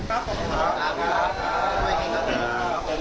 อยากมีคิวมาส่ง